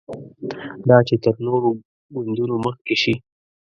دا چې تر نورو ګوندونو مخکې شي.